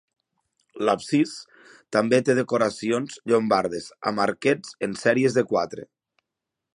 L'absis també té decoracions llombardes amb arquets en sèries de quatre.